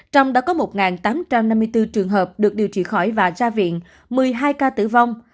trong đó có một tám trăm năm mươi bốn trường hợp được điều trị khỏi và ra viện một mươi hai ca tử vong